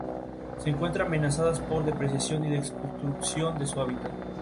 Para explicar este misterio, en ocasiones los teólogos cristianos han recurrido a símiles.